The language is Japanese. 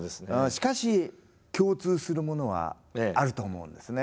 しかし共通するものはあると思うんですね。